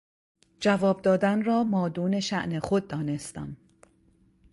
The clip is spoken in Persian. جواب دادن را مادون شان خود دانستم.